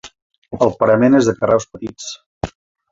El parament és de carreus petits.